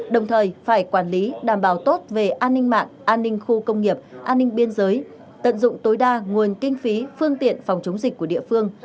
đồng thời phải quản lý đảm bảo tốt về an ninh mạng an ninh khu công nghiệp an ninh biên giới tận dụng tối đa nguồn kinh phí phương tiện phòng chống dịch của địa phương